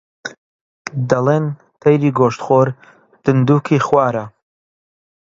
دەڵێن تەیری گۆشتخۆر دندووکی خوارە